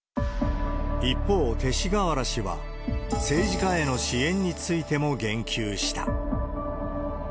一方、勅使河原氏は、政治家への支援についても言及した。